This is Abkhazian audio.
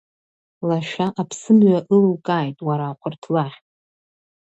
Лашәа аԥсымҩа ылукааит, уара ахәырҭлаӷь!